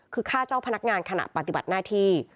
คือฆ่าเจ้าพนักงานขณะปฏิบัติหน้าที่